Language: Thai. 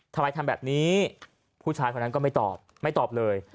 ทำไมทำแบบนี้ผู้ชายคนนั้นก็ไม่ตอบไม่ตอบเลย